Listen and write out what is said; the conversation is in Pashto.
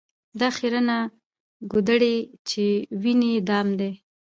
دا خیرنه ګودړۍ چي وینې دام دی